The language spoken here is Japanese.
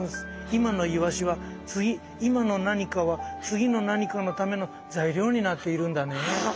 今のイワシは次今の何かは次の何かのための材料になっているんだね。